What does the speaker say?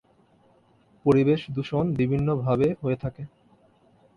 পরিবেশ দূষণ বিভিন্নভাবে হয়ে থাকে।